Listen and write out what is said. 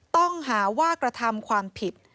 ต้องหาว่ากระทำความผิด